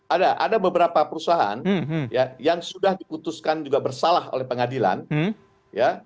ada ada beberapa perusahaan yang sudah diputuskan juga bersalah oleh pengadilan ya